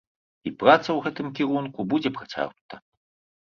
І праца ў гэтым кірунку будзе працягнута.